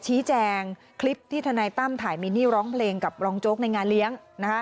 ชี้แจงคลิปที่ทนายตั้มถ่ายมินนี่ร้องเพลงกับรองโจ๊กในงานเลี้ยง